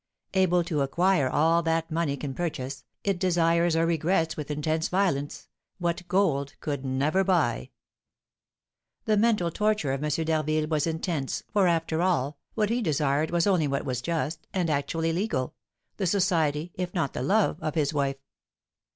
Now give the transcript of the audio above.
Able to acquire all that money can purchase, it desires or regrets with intense violence "What gold could never buy." The mental torture of M. d'Harville was intense, for, after all, what he desired was only what was just, and actually legal, the society, if not the love, of his wife.